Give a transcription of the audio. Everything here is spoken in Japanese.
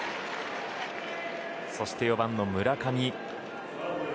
そして４番、村上。